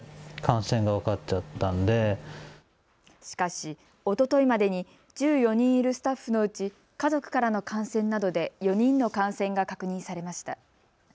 しかし、おとといまでに１４人いるスタッフのうち家族からの感染などで４人の感染が確認されました。